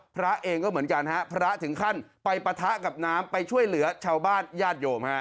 พระเองก็เหมือนกันฮะพระถึงขั้นไปปะทะกับน้ำไปช่วยเหลือชาวบ้านญาติโยมฮะ